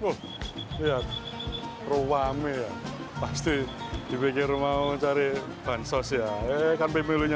tuh lihat ruwami pasti dipikir mau cari bansos ya eh kan pemilihnya